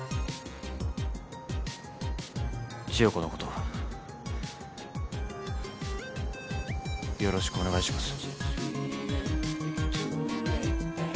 千代子のことよろしくお願いします。